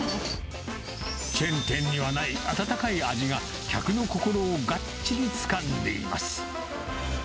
チェーン店にはない温かい味が客の心をがっちりつかんでいます。